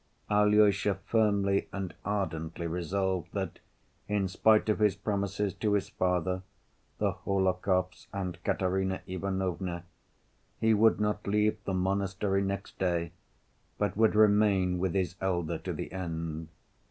Alyosha firmly and ardently resolved that in spite of his promises to his father, the Hohlakovs, and Katerina Ivanovna, he would not leave the monastery next day, but would remain with his elder to the end.